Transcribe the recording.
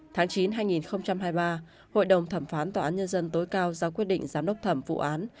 tháng chín hai nghìn hai mươi ba hội đồng thẩm phán tòa án nhân dân tối cao giao quyết định giám đốc thẩm vụ án